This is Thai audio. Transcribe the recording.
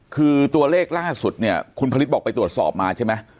คือตัวเลขล่าสุดเนี่ยคุณผลิตบอกไปตรวจสอบมาใช่ไหม